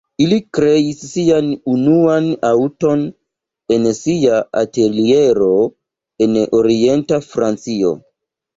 Ili kreis sian unuan aŭton en sia ateliero en orienta Francio.